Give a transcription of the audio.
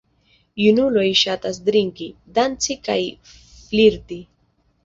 Junuloj ŝatas drinki, danci kaj flirti.